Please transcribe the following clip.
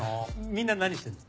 みんな何してんの？